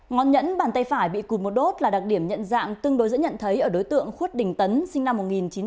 ngón nhẫn bàn tay phải bị cùm một đốt là đặc điểm nhận dạng tương đối dẫn nhận thấy ở đối tượng khuất đình tấn sinh năm một nghìn chín trăm năm mươi bảy